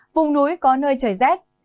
vùng núi có nơi trời rét